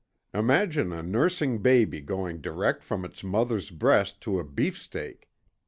Imagine a nursing baby going direct from its mother's breast to a beefsteak!